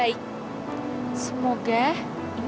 kayaknya gak mungkin